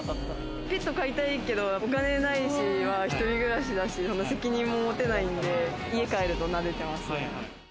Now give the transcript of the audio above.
ペット飼いたいけどお金ないし、一人暮らしだし、責任も持てないんで、家に帰るとなでてますね。